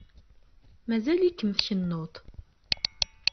Mazal-ikem tkennuḍ.